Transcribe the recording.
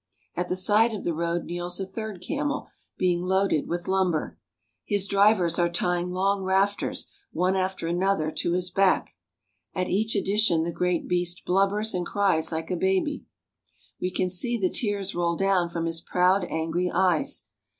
At the side of the road kneels a third camel, being loaded with lumber. His drivers are tying long rafters, one after another, to his back. At each addition the great beast blubbers and cries like a baby. We can see the tears roll down from his proud, angry eyes.